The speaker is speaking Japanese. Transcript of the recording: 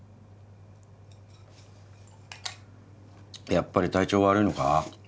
やっぱり体調悪いのか？